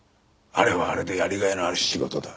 あれはあれでやりがいのある仕事だ。